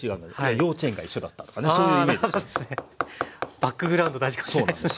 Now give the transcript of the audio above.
バックグラウンド大事かもしれないですね。